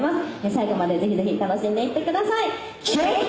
最後までぜひぜひ楽しんでいってください！